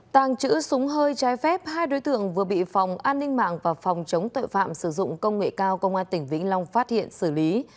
tàng trữ súng hơi trái phép hai đối tượng vừa bị phòng an ninh mạng và phòng chống tội phạm sử dụng công nghệ cao công an tỉnh vĩnh long phát hiện xử lý